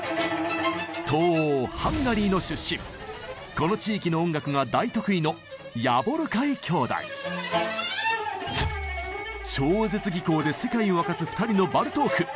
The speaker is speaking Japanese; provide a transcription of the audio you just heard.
この地域の音楽が大得意ので世界を沸かす二人のバルトーク。